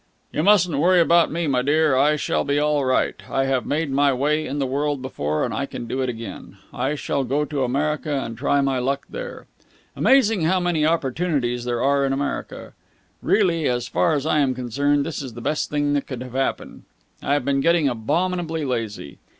"You mustn't worry about me, my dear. I shall be all right. I have made my way in the world before, and I can do it again. I shall go to America and try my luck there. Amazing how many opportunities there are in America. Really, as far as I am concerned, this is the best thing that could have happened. I have been getting abominably lazy.